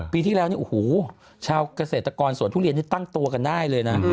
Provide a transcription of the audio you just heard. ปีที่แล้วนี่โอ้โหชาวเกษตรกรสวนทุเรียนนี่ตั้งตัวกันได้เลยนะ